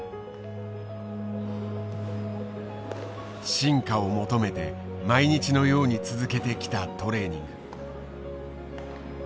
進化を求めて毎日のように続けてきたトレーニング。